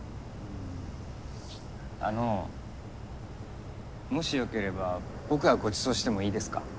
あのもしよければ僕がごちそうしてもいいですか？